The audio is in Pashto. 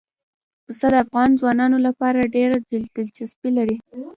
پسه د افغان ځوانانو لپاره ډېره دلچسپي لري.